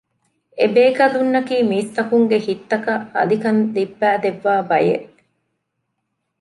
އެ ބޭކަލުންނަކީ މީސްތަކުންގެ ހިތްތަކަށް އަލިކަން ލިއްބައިދެއްވާ ބަޔެއް